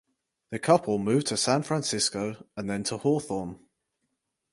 The couple moved to San Francisco and then to Hawthorne.